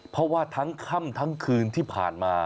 เพราะว่าทั้งค่ำทั้งคืนที่ผ่านมา